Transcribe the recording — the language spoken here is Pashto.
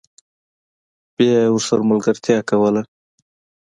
بیا یې ورسره ملګرتیا کوله